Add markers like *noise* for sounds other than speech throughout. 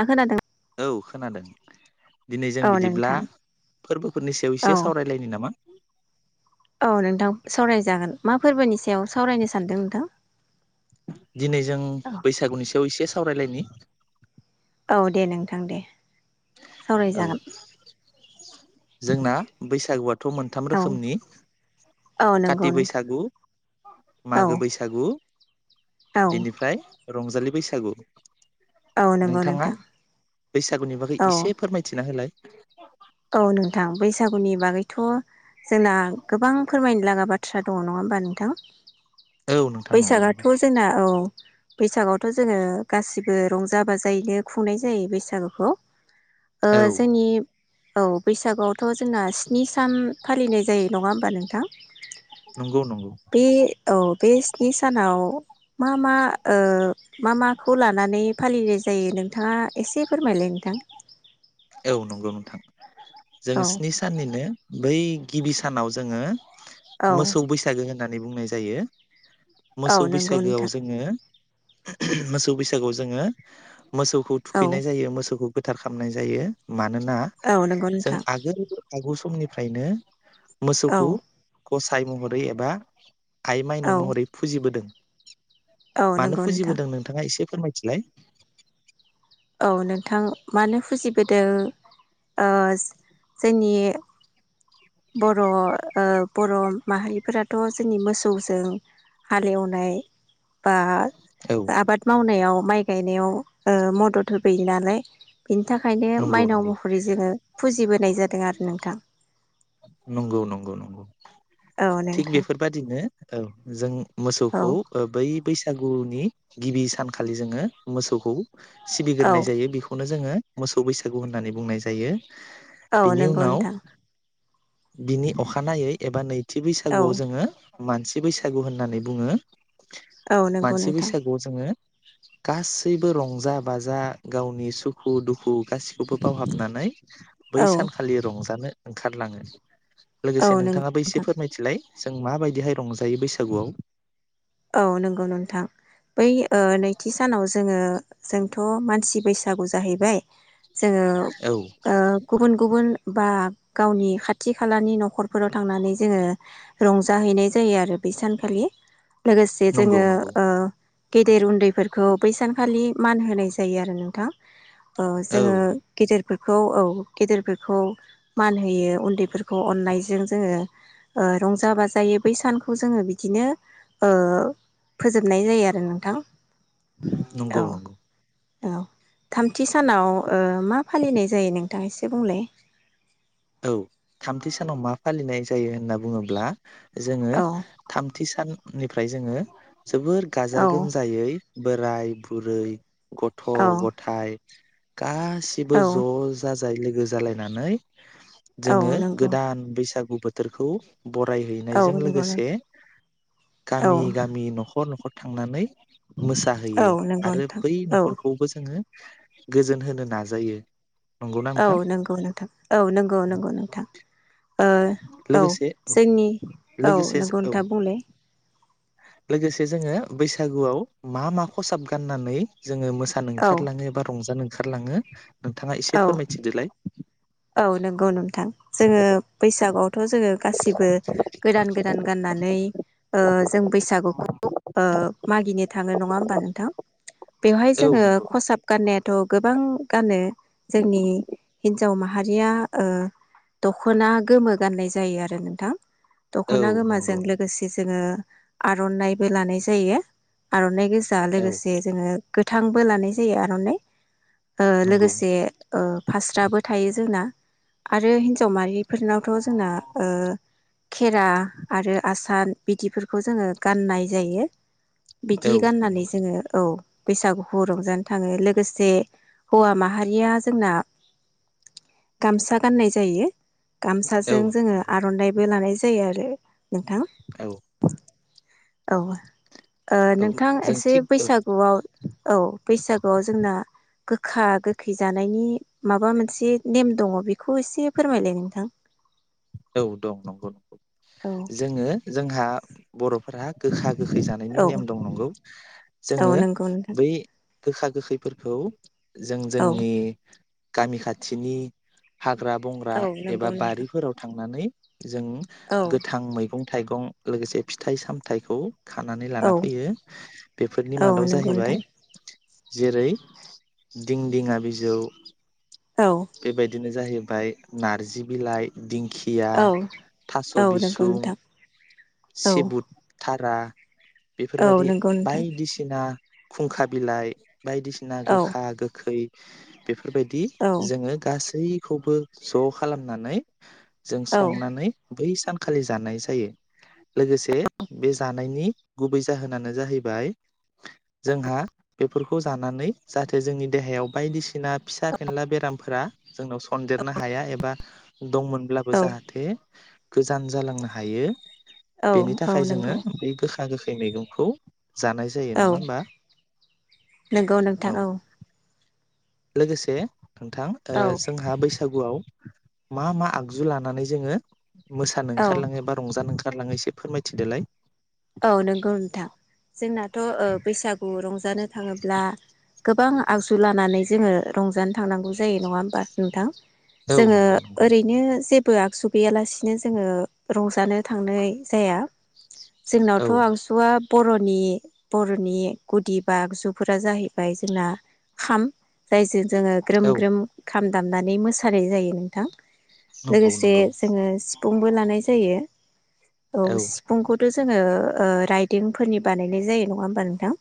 ङा खोनादोना? औ खोनादों। दिनै जों औ बिदिब्ला नोंथां फोरबोफोरनि सायाव एसे औ सावरायलायनो नामा औ नोंथां सावरायजागोन मा फोरबोनि सायाव सावरायनो सानदों नोंथां दिनै जों औ बैसागुनि सायाव एसे सावरायलायनि औ दे नोंथां दे औ सावरायजागोन जोंना बैसागुआथ मोनथाम औ रोखोमनि औ काति नंगौ नोंथां बैसागु औ मागो बैसागु औ बेनिफ्राय रंजालि बैस औ नंगौ नोंथाङा नोंथां बैसागु बागै औ एसे फोरमायथिना गुबुननि बागैथ जोंना गोबां फोरमायनो ला बैसागु औ नोंथां नंगौ नंगौ आथ जोंना औ बैसागावथ जोंङो गासिबो रंजा बाजायै खुंनाय जायो बैसागु खौ ओ औ जेनि औ बैसागुआवथ जोंना स्नि सान फालिनाय जायो नङा होमबा नोंथां नंगौ नंगौ बे औ बे स्नि सानाव मा मा ओ मा माखौ लानानै फालिनाय जायो नों औ नंगौ नोंथां जों औ स्नि साननिनो बै गिबि सानाव जोंङो औ मोसौ बैसागो होननानै बुंनाय जायो औ मोसौ नंगौ बैसागोआव नोंथां जोंङो मोसौ बैसागु जोंङो मोसौखौ औ थुखैनाय जायो मोसौखौ फोथार खालामनाय जायो मानोना औ नंगौ जों नोंथां आगोल आगौ समनिफ्रायनो औ मोसौखौ गसाय महरै एबा आइ माइनाव औ महरै फुजिबोदों औ मानो नंगौ नोंथां फुजिबोदों नोंथाङा एसे फोरमायथिलाय अ नोंथां मानोफ फुजिबोदो ओ जोंनि बर' ओ बर' माहारिफोराथ' जोंनि मोसौजों हालेवनाय। बा औ आबाद मावनायाव माइ गायनायाव ओ मदद होफैयो नालाय बिनि थाखायनो नंगौ माइनाव नंगौ महरै जोङो फुजिबोनाय जादों। दों आरो नोंथां। नंगौ नंगौ नंगौ। औ थिग नोंथां बेफोरबादिनो औ जों। औ मोसौखौ ओ बै बैसागुनि गिबि सानखालि जोङो मोसौखौ औ सिबिगोरनाय जायो बेखौनो जोङो मोसौ बैसागु होननानै बुंनाय जायो। औ बिनि नंगौ उनाव नोंथां। बिनि अखानायै एबा नैथि औ बैसागुआव जोङो मानसि बैसागु होननानै बुङो। औ नंगौ मानसि नोंथां बैसागुआव जोङो गासैबो रंजा बाजा गावनि सुखु- दुखु गासिखौबो बावहाबनानै बै औ सान रंजानो ओंखारलाङो। औ लोगोसे नों नोंथाङाबो एसे फोरमायथिलाय? जों माबायदिहाय रंजायो बैसागुआव? औ नंगौ नोंथां बै ओ नैथि सानाव जोङो जोंथ' मानसि बैसागु जाहैबाय। जोङो औ ओ गुबुन गुब गुबुन बा गावनि खाथि खालानि न'खरफोराव थांनानै जोङो रंजाहैनाय जायो आरो बै सानखालि लोगोसे नंगौ जोङो। नंगौ गेदेर उन्दैफोरखौ बैसानखालि मान होनाय जायो आरो नोंथां। ओ औ जोङो गिदिर फोरखौ औ गेदेरफोरखौ मान होयो उन्दैफोरखौ अननायजों जोंङो रंजा बाजायो बै सानखौ जोङो बिदिनो ओ फोजोबनाय जायो आरो नोंथां। औ नंगौ नंगौ। औ थामथि सानाव ओ मा फालिनाय जायो नोंथाङ? एसे बुंलाय। औ थामथि सानाव मा फालिनाय जायो होनना बुंङोब्ला जोंङो औ थामथि सान निफ्राय जोंङो जोबोर गाजा औ गोमजायै बोराय बुरै गथ औ गथाय गासिबो ज औ जाजाय लो गोजालायनानै औ जोंङो नंगौ गोदान बैसाग *unintelligible* बोथोरखौ। औ बरायहैनायजों नंगौ नों लोगोसे औ गामि गामि नखर-नखर थांनानै औ मोसाहैयो नंगौ आरो नोंथां बै औ नखरखौबो जोंङो गोजोन होनो नाजायो। नंगौना औ नोंथां नंगौ नोंथां औ। औ नंगौ नंगौ नोंथां। ओ औ लोगोसे औ जोंनि औ लोगोसे नंगौ औ नोंथांङा बुंलाय। लोगोसे जोंङो बैसागुआव मा मा खसाब गाननानै जोंङो मोसानो औ ओंखारलांङो एबा रंजानो ओंखारलाङो नोंथाङा औ एसे फोरमायथिदोलाय। औ नंगौ नोंथां जोंङो बैसागुआव थ जोंङो गासिबो गोदान गोदान गाननानै ओ जों बैसागुखौ ओ मागिनो थांङो नङा होमबा नोंथां? बेवहाय औ जोंङो नंगौ खसाब गाननाय थ गोबां गानो जोंनि हिनजाव माहारि माहारिया दखना गोमो गाननाय जायो आरो नोंथां। औ दखना गोमोजों नंगौ लोगोसे जोंङो आरनानायइबो लानाय जायो आरनाइ गेजेर जा औ लोगोसे जोंङो गोथांबो लानाय जायो आरनाइ ओ नंगौ लोगोसे फास्राबो था थायो जोंना आरो हिनजाव माहारि बेफोरनावथ जोंना ओ खेरा आरो आसान बिदिफोरखौ जोङो गाननाय जायो। बिदि औ गाननानै नंगौ जोङो औ। बैसागुखौ रंजानो थाङो लोगोसे हौवा माहारिया जोंना गामसा गाननाय जायो। औ गामसाजों जोङो नंगौ आरनाइबो लानाय जायो। जायो आरो। नोंथां। औ औ। औ नोंथां जों एसे थिग औ बैसागुआव औ बैसागुआव जोंना गोखा गोखै जानायनि माबा मोनसे नेम दङ बेखौ एसे फोरमायलाय नोंथां। औ दं नंगौ नंगौ औ जोङो जोंहा बरफोरा गोखा गोखै जानायनि औ नेम दं नंगौ औ जोङो नंगौ नोंथां बै गोखा गोखैफोरखौ। जों औ जोंनि गामि खाथिनि हाग्रा बंग्रा औ एबा नंगौ नोंथां बारिफोराव नानै जों औ गोथां मैगं थाइगं लोगोसे फिथाइ सामथाइखौ खानानै लाना औ फैयो बेफोरनि औ मादाव नंगौ जाहैबाय। नोंथां जेरै दिंदिङा बिजौ औ। बिदिनो जाहैबाय नारजि बिलाइ दिं औ औ नोंंगौ नोंथां। औ सेबुट था रा। औ बेफोरबायदि नंगौ नोंथां बायदिसिना खुंखा बिलाइ। बायदिसिना औ गोखा गोखै। बेफोर बेफोरबायदि औ जोङो गासै खौबो ज खालामनानै। जों औ संनानै। बै सानखालि जानाय जायो। लोगोसे बे जानायनि गुबै जाहोनानो जाहैबाय जोंहा बेफोरखौ जानानै जाहाथे जोंनि देहायाव बायदि सिना फिसा फेनला बेरामफोरा जोंनाव सनदेरनो हाया एबा दंमोनब्लाबो औ जाहाथे गोजान जालांनो हायो। औ बेनि औ थाखाय जोङो नंगौ बै गोखा गोखै। बे मैगंखौ। जानाय जायो औ नङा होमबा नंगौ नोंथां औ। लोगोसे नोंथां औ जोंहा बैसागु बैसागुआव मा मा आगजु लानानै जोङो मोसानो औ ओंखारलाङो बा रंजानो ओंखारलाङो? ओंखारलाङो एसे फोरमायथिदोलाय। औ नंगौ नोंथां जोंनाथ। बैसाागु खौ रंजानो थाङोब्ला। गोबां आगजु लानानै जोङो रंजानो थांनांगौ जायो नङा होमबा नोंथां। औ जोङो नंगौ नंगौ ओरैनो जे जेबो आगजु गैयालासिनो जोङो रंजानो थांनाय जाया। औ जोंनावथ आगजुआ बरनि बरनि गुदि बा आगजुफोरा जाहैबाय जोंना खाम जायजों जोङो ग्रोम औ ग्रोम खाम दामनानै मोसानाय जायो नोंथां। नंगौ लोगोसे नंगौ जोङो सिफुंबो लानाय जायो। औ सिफुंखौ जोङो राइदोंफोरनि बानायनाय जायो नङा होमबा नोंथां।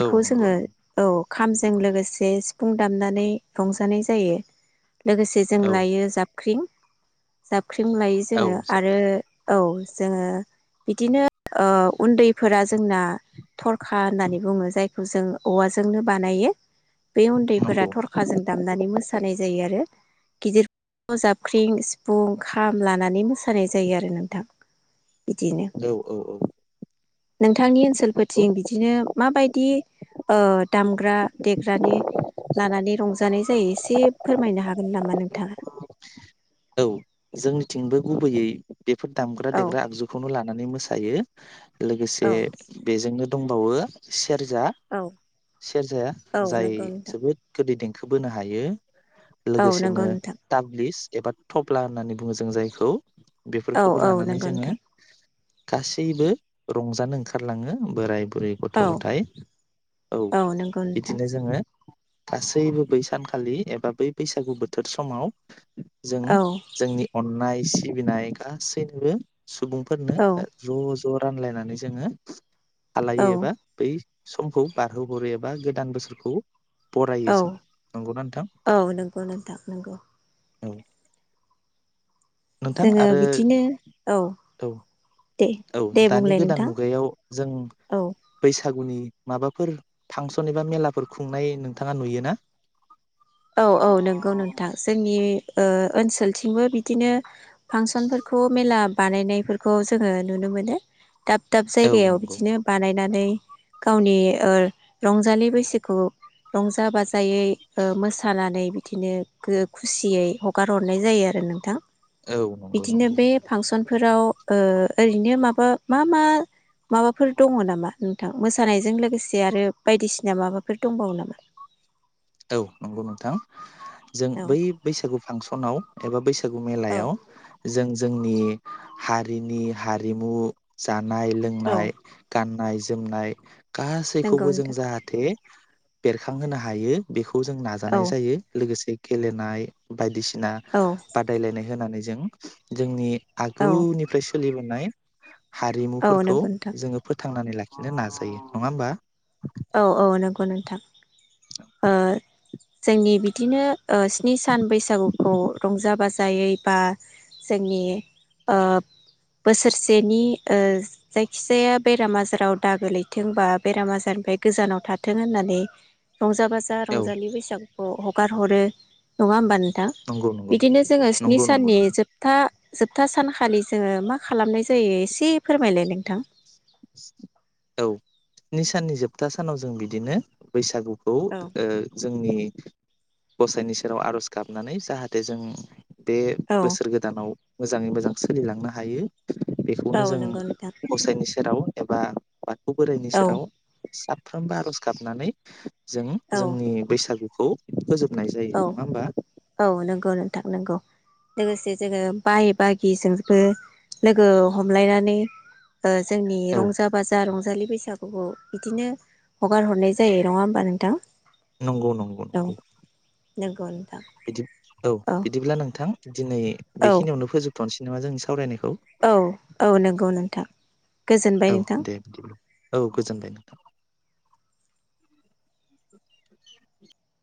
औ नंगौ जोङो नंगौ औ। खामजों लोगोसे सिफुं दामनानै रंजानाय जायो। लोगोसे जों औ लायो जाबख्रिं ख्रि जाब जाख्रिं लायो जोङो औ आरो साख्रि औ जोङो बिदिनो ओ उन्दैफोरा जोंना थरखा होननानै बुङो जायखौ जों औवाजोंनो बानायो। बे नंगौ उन्दैफोरा औ थरखाजों दामनानै मोसानाय जायो आरो। गिदिर जाबख्रिं सिफुं खाम लानानै मोसानाय जायो आरो नोंथां। बिदिनो। औ औ औ। नोंथांनि ओनसोलफोरथिं बिदिनो माबायदि ओ दामग्रा देग्रानि लानानै रंजानाय जायो एसे फोरमायनो हागोन नामा नोंथाङा? औ जोंनिथिंबो गुबैयै बेफोर दामग्रा औ देग्रा आगजुखौनो लानानै मोसा जायो। लोगोसे औ बेजोंनो दंबावो। सेरजा औ सेरजाया औ जाय नंगौ नोंथां जोबोद गोदै देंखो बोनो हायो। औ नंगौ लोगोसेनो नोंथां ताब्लिस। एबा थफ्ला होननानै बुङो जों जायखौ। औ बेफोरखौबो औ लानानै नंगौ जोङो नोंथां गासैबो रंजानो ओंखारलाङो बोराय बुरै गथ औ -गथायाइ औ नंगौ नोंथां बिदिनो जोङो गासैबो बै सानखालि एबा बै बैसागु बोथोर समाव जों औ जोंनि अननाय सि सिबिनाय गासैनोबो। सुबुंफोरनो औ ओ ज ज रानलायनानै जोङो औ आलायोबा बै समखौ बारहोहरो एबा गोदान बोसोरखौ बरायो औ जों नंगौना नोंथां औ नंगौ नोंथां नंगौ। औ। नोंथां जोङो आरो बिदिनो औ औ दे औ दे दानि बुंलाय गोदान नोंथां मुगायाव जों औ बैसाग बैसागुनि माबाफोर फांसन एबा मेलाफोर खुंनाय नोंथाङा नुयोना? औ औ नंगौ नोंथां जोंनि ओ ओनसोलथिंबो बिदिनो फांसनफोरखौ मेला बानायनाय-' बेफोरखौ जोङो नुनो मोनो। दाब दाब औ जायगायाव नंगौ बिदिनो बानाय नानै गावनि ओ रंजालि बैसागु रंजा बाजायै मोसा सानानै बिदिनो खुसियै हगार हरनाय जायो आरो नोंथां। औ नंगौ बिदिनो नंगौ बे फांसन फोराव ओरैनो माबा मा मा? माबाफोर दङ नामा? नोंथां मोसानायजों लोगोसे आरो बायदिसिना माबाफोर दंबावो नामा? औ नंगौ नोंथां। जों औ बै बैसागु फांसनाव एबा बैसा औ मेलायाव जों जोंनि हारिनि हारिमु ज जानाय औ लोंनाय गा ननाय जोमनाय। नंगौ गासैखौबो जों नोंथां जाहाथे बेरखांहोनो हायो। बेख खौ जों औ नाजानाय जायो लोगोसे गेलेनाय बायदिसि ना औ बादायलायनाय होनानै जों जोंनि औ आगुनिफ्रायसो सोलिबोनाय औ हारिमुफोरखौ नंगौ नोंथां जोङो फोथांनानै ला बिदिनो नाजायो नङा होमबा? औ औ नंगौ नोंथां ओ जोंनि बिदिनो ओ स्नि सान बैसागुखौ रंजा बाजायै बा जोंनि ओ बोसोरसेनि जायखिजाया बेराम आजाराव दागो लैथोंबा बेराम आजारनिफ्राय गोजानाव थाथों होननानै रंजा बाजा औ रंजालि बैसागु हगार हरो नङा होमबा नो थां नंगौ नंगौ बिदिनो जोङो स्नि नंगौ नंगौ साननि नंगौ जोबथा जोबथा सानखालि जोङो मा खालामनाय जायो एसे फोरमायलाय नोंथां। औ स्नि साननि जोबथा सानाव जों बिदिनो बैसागु खौ ओ औ जोंनि गसाइनि सेराव आर'ज गाबनानै जाहाथे जों बे औ बोसोर गोदानाव मोजाङै मोजां सोलिलांनो हायो। औ बेखौनो जों नंगौ नोंथां गसायनिसेराव आव एबा बाथौ बोरायनि औ सेराव साफ्रोमबो आर'ज गाबनानै जों औ जोंनि बैसागु खौ फोजोबो औ औ नंगौ नोंथां नंगौ। लोगोसे जोङो बाय बागिजोंबो लोगो हमलायनानै जोंनि औ रंजा बाजा रंजालि बैसागुखौ बिदिनो हगार हरनाय जायो। नङा होमबा नोंथां? नंगौ नंगौ औ नंगौ। नंगौ उम। बिदि औ बिदिब्ला नोंथां दिनै औ बेखिनियावनो फोजोबथ'नोसै। जेनोबा सावरायनायखौ औ औ नंगौ नोंथां गोजोनबाय औ नोंथां। दे बिदिब्ला औ गोजोनबाय *inaudible*